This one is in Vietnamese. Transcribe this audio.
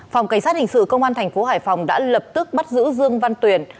phòng cảnh sát hình sự công an thành phố hải phòng đã lập tức bắt giữ dương văn tuyền